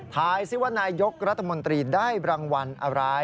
ซิว่านายกรัฐมนตรีได้รางวัลอะไร